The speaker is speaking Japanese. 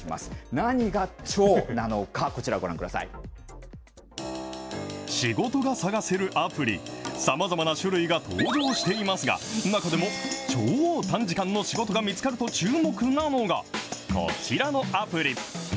何が超なのか、こちらご覧くださ仕事が探せるアプリ、さまざまな種類が登場していますが、中でも超短時間の仕事が見つかると注目なのがこちらのアプリ。